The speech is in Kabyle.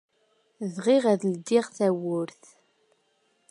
Bɣiɣ ad ldiɣ tawwurt.